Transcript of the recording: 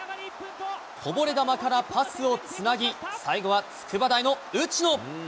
こぼれ球からパスをつなぎ、最後は筑波大の内野。